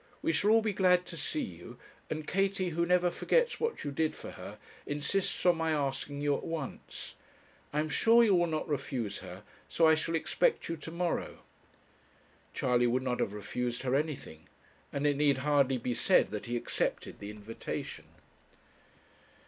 We shall all be glad to see you, and Katie, who never forgets what you did for her, insists on my asking you at once. I am sure you will not refuse her, so I shall expect you to morrow.' Charley would not have refused her anything, and it need hardly be said that he accepted the invitation.